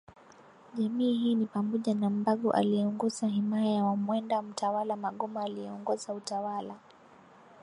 jamii hii ni pamoja na Mbago alieongoza himaya ya Wamwenda Mtawala Magoma aliyeongoza utawala